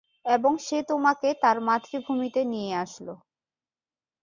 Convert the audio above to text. এবং সে তোমাকে তার মাতৃভূমিতে নিয়ে আসলো।